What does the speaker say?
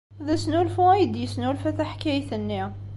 D asnulfu ay d-yesnulfa taḥkayt-nni.